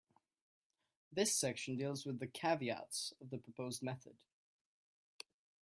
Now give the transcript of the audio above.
This section deals with the caveats of the proposed method.